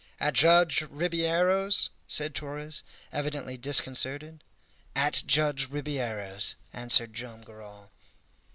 "At Judge Ribeiro's?" said Torres, evidently disconcerted. "At Judge Ribeiro's," answered Joam Garral.